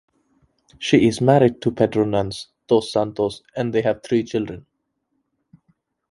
She is married to Pedro Nunes dos Santos and they have three children.